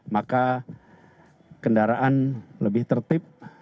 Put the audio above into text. maka kendaraan lebih tertib